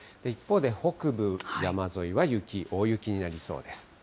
一方で、北部山沿いは雪、大雪になりそうです。